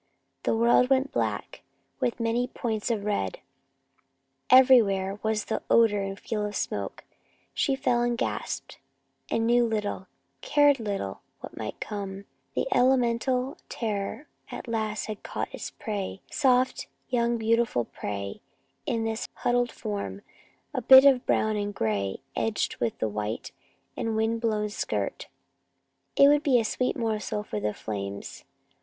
The world went black, with many points of red. Everywhere was the odor and feel of smoke. She fell and gasped, and knew little, cared little what might come. The elemental terror at last had caught its prey soft, young, beautiful prey, this huddled form, a bit of brown and gray, edged with white of wind blown skirt. It would be a sweet morsel for the flames.